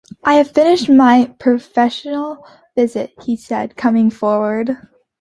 "I have finished my professional visit," he said, coming forward.